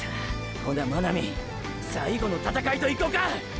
ほな真波最後の闘いといこか！！